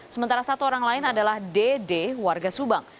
sementara satu orang lain adalah dd warga subang